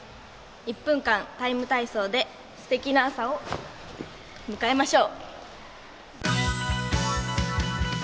１分間「ＴＩＭＥ，体操」ですてきな朝を迎えましょう。